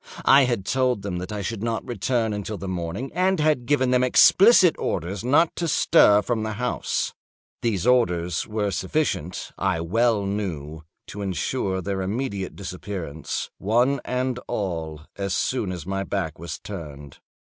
I had told them that I should not return until the morning, and had given them explicit orders not to stir from the house. These orders were sufficient, I well knew, to insure their immediate disappearance, one and all, as soon as my back was turned.